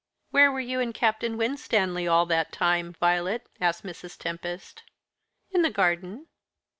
"Where were you and Captain Winstanley all that time, Violet?" asked Mrs. Tempest. "In the garden."